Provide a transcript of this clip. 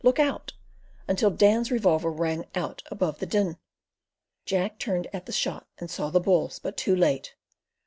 Look out," until Dan's revolver rang out above the din. Jack turned at the shot and saw the bulls, but too late.